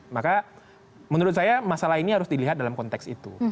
maka menurut saya masalah ini harus dilihat dalam konteks itu